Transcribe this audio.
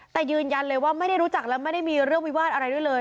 แต่ยืนยันเลยว่าไม่ได้รู้จักและไม่ได้มีเรื่องวิวาสอะไรด้วยเลย